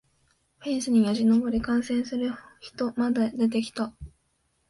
フェンスによじ登り観戦する人まで出てきた